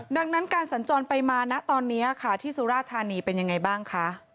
ดังนั้นการสัญจรไปมานะตอนนี้ค่ะที่สุราธานีเป็นยังไงบ้างคะ